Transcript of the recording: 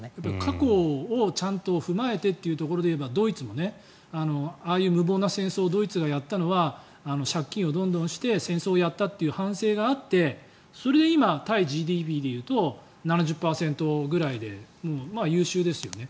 過去をちゃんと踏まえてというところでいえばドイツも、ああいう無謀な戦争をドイツがやったのは借金をどんどんして戦争をやったという反省があってそれで今、対ＧＤＰ比でいうと７０％くらいで優秀ですよね。